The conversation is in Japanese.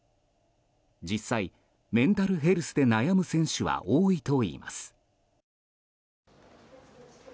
実際、メンタルヘルスで悩む選手は多いといいます。